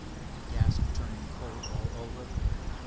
he gasped turning cold all over.